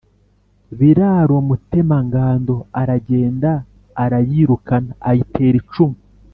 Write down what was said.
Biraro Mutemangando aragenda arayirukana, ayitera icumu